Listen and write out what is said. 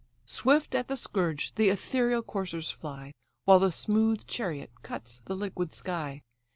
Swift at the scourge the ethereal coursers fly, While the smooth chariot cuts the liquid sky.